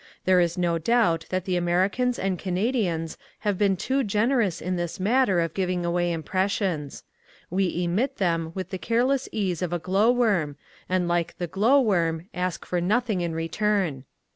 There is no doubt that the Americans and Canadians have been too generous in this matter of giving away impressions. We emit them with the careless ease of a glow worm, and like the glow worm ask for nothing in return.